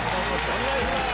お願いします！